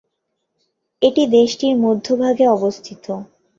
এটি দেশটির মধ্যভাগে অবস্থিত।